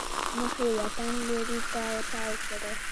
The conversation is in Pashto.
مخ یې وطن لوري ته تاو کړی.